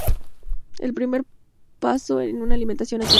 El primer paso es una alimentación natural.